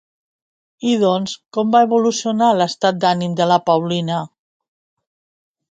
I doncs, com va evolucionar l'estat d'ànim de la Paulina?